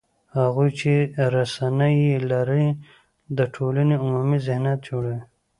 هغوی چې رسنۍ یې لري، د ټولنې عمومي ذهنیت جوړوي